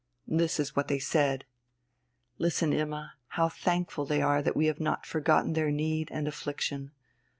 This is what they said: "Listen, Imma, how thankful they are that we have not forgotten their need and affliction.